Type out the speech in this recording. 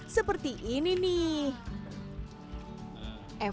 seperti ini nih